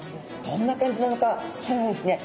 どんな感じなのかそれではですね